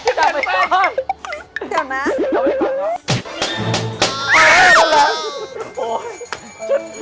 จะนำไปต้อน